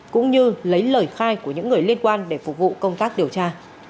cũng như lấy lời khai của những người liên quan để phục vụ công tác điều tra